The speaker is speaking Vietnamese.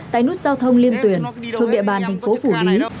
tại nút giao thông liên tuyển thuộc địa bàn thành phố phủ lý